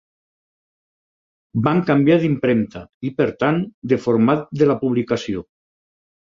Van canviar d'impremta i per tant de format de la publicació.